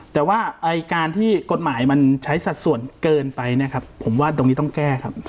แต่ว่าการที่กฎหมายมันใช้สัดส่วนเกินไปนะครับผมว่าตรงนี้ต้องแก้ครับ